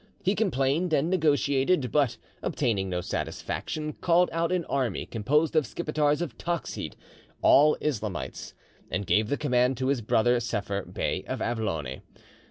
He complained and negotiated, but obtaining no satisfaction, called out an army composed of Skipetars of Toxid, all Islamites, and gave the command to his brother Sepher, Bey of Avlone.